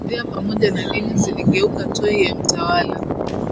sheria pamoja na dini ziligeuka toy ya mtawala